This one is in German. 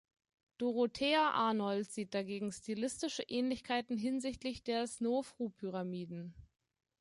Dorothea Arnold sieht dagegen stilistische Ähnlichkeiten hinsichtlich der Snofru-Pyramiden.